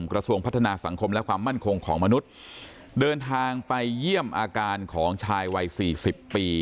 กระทรวงพัฒนาสังคมและความมั่นคงของมนุษย์เดินทางไปเยี่ยมอาการของชายวัยสี่สิบปี